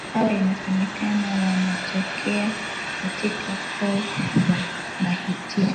hawa inasemekana wanatokea katika koo za Bahitira